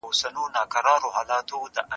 په کومه سيمه کي د مطالعې کلتور پياوړی دی؟